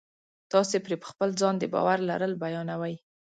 تاسې پرې په خپل ځان د باور لرل بیانوئ